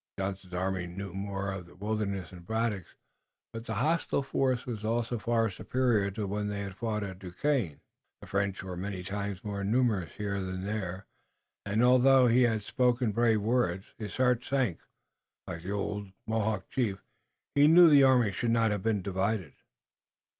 Johnson's army knew more of the wilderness than Braddock's, but the hostile force was also far superior to the one that had fought at Duquesne. The French were many times more numerous here than there, and, although he had spoken brave words, his heart sank. Like the old Mohawk chief, he knew the army should not have been divided.